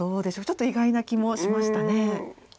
ちょっと意外な気もしましたね。